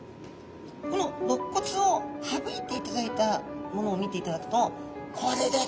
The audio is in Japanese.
このろっ骨を省いていただいたものを見ていただくとこれですね。